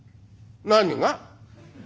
「何が？」。